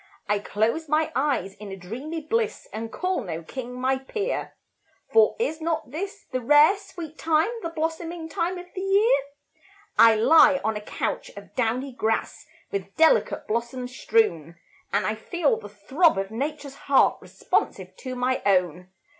I close my eyes in a dreamy bliss, And call no king my peer; For is not this the rare, sweet time, The blossoming time of the year? I lie on a couch of downy grass, With delicate blossoms strewn, And I feel the throb of Nature's heart Responsive to my own.